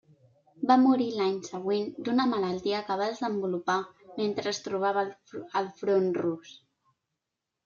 Va morir l'any següent d'una malaltia que va desenvolupar mentre es trobava al front rus.